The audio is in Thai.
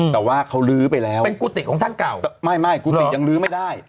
แต่ว่าเขาลื้อไปแล้วเป็นกุฏิของท่านเก่าไม่ไม่กุฏิยังลื้อไม่ได้